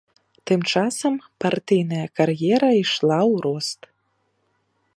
Тым часам партыйная кар'ера ішла ў рост.